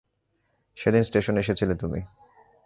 সেদিন স্টেশনে এসেছিলে তুমি।